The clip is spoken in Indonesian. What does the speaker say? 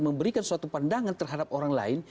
memberikan suatu pandangan terhadap orang lain